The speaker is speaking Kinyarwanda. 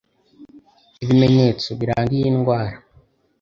Ibimenyetso biranga iyi ndwara